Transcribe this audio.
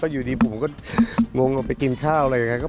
ก็อยู่ดีปุ๋กหน่วงเอาไปกินข้าวอะไรอย่างนั้น